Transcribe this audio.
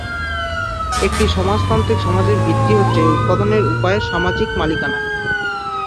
একটি সমাজতান্ত্রিক সমাজের ভিত্তি হচ্ছে উৎপাদনের উপায়ের সামাজিক মালিকানা।